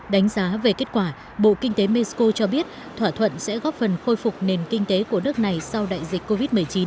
đánh giá về kết quả bộ kinh tế mexico cho biết thỏa thuận sẽ góp phần khôi phục nền kinh tế của nước này sau đại dịch covid một mươi chín